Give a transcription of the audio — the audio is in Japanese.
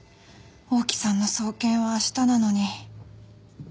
大木さんの送検は明日なのに